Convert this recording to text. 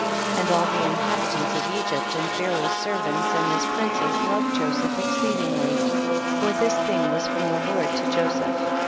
42. And all the inhabitants of Egypt and Pharaoh's servants and his princes loved Joseph exceeding ly, for this thing was from the Lord to Joseph.